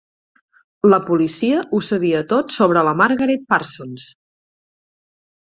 La policia ho sabia tot sobre la Margaret Parsons.